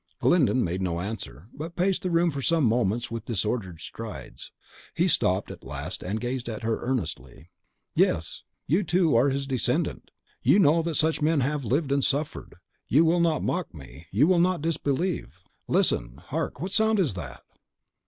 Glyndon made no answer, but paced the room for some moments with disordered strides. He stopped at last, and gazed at her earnestly. "Yes, you, too, are his descendant; you know that such men have lived and suffered; you will not mock me, you will not disbelieve! Listen! hark! what sound is that?"